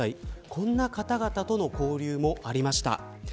こんな方々との交流もありました。